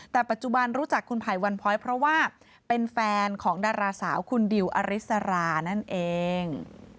แต่ปัจจุบันรู้จักคุณไผ่วันพ้อยเพราะว่าเป็นแฟนของดาราสาวคุณดิวอริสรานั่นเอง